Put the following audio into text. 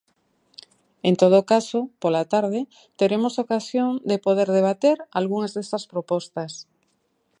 En todo caso, pola tarde teremos ocasión de poder debater algunhas destas propostas.